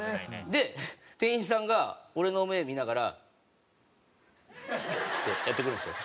で店員さんが俺の目見ながらってやってくるんですよ。